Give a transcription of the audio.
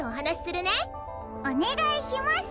おねがいします。